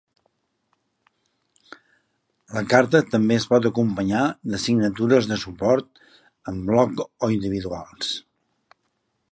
La carta també es pot acompanyar de signatures de suport, en bloc o individuals.